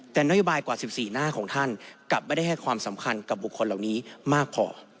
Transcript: แต่นโยบายกว่า๑๔หน้าของท่านกลับไม่ได้ให้ความสำคัญกับบุคคลเหล่านี้มากพอ